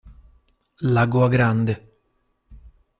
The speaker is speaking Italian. Lagoa Grande